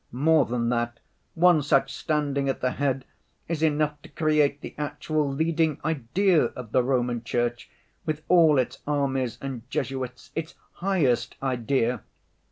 More than that, one such standing at the head is enough to create the actual leading idea of the Roman Church with all its armies and Jesuits, its highest idea.